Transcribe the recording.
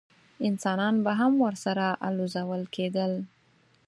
انسانان به هم ورسره الوزول کېدل.